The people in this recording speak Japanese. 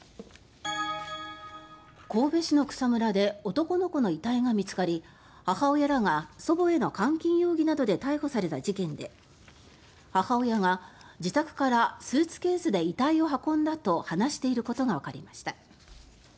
神戸市の草むらで男の子の遺体が見つかり母親らが祖母への監禁容疑などで逮捕された事件で母親が、自宅からスーツケースで遺体を運んだと話していることがわかりました。